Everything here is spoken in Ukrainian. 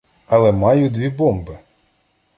Але маю дві бомби.